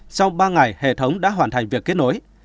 sau ba ngày hệ thống đã hoàn thành việc kết nối